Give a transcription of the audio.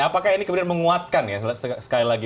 apakah ini kemudian menguatkan ya sekali lagi